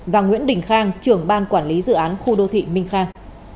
và nguyễn đình khang trưởng ban quản lý dự án khu đô thị minh khang